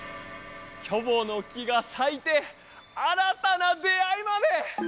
キョボの木がさいて新たな出会いまで！